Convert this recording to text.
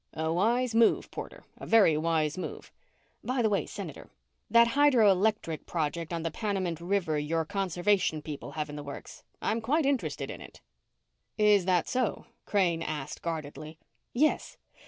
"A wise move, Porter. A very wise move." "By the way, Senator, that hydroelectric project on the Panamint River your Conservation people have in the works. I'm quite interested in it." "Is that so?" Crane asked guardedly. "Yes.